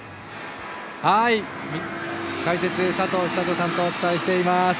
解説、佐藤寿人さんとお伝えしています。